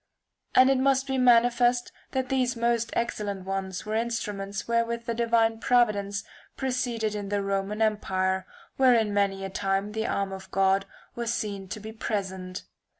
And it must be manifest that these most excellent ones were instruments wherewith the divine providence proceeded in the Roman empire, wherein many a time the arm of God was seen to be present.